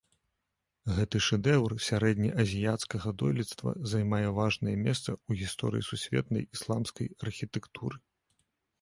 Гэты шэдэўр сярэднеазіяцкага дойлідства займае важнае месца ў гісторыі сусветнай ісламскай архітэктуры.